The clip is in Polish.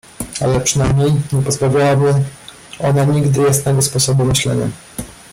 "Ale przynajmniej nie pozbawiała mnie ona nigdy jasnego sposobu myślenia."